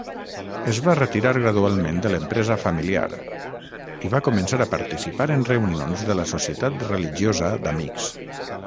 Es va retirar gradualment de l'empresa familiar i va començar a participar en reunions de la Societat Religiosa d'Amics.